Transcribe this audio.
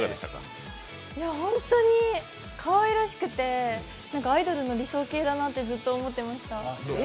本当にかわいらしくて、アイドルの理想系だなってずっと思っていました。